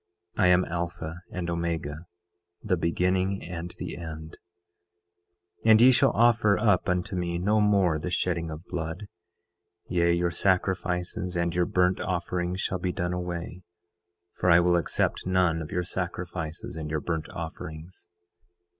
I am Alpha and Omega, the beginning and the end. 9:19 And ye shall offer up unto me no more the shedding of blood; yea, your sacrifices and your burnt offerings shall be done away, for I will accept none of your sacrifices and your burnt offerings.